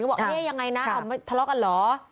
บอกเอ๊ะยังไงนะทะเลาะกันเหรอ